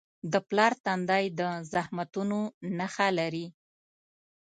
د پلار تندی د زحمتونو نښه لري.